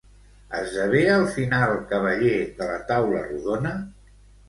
Esdevé al final cavaller de la Taula Rodona?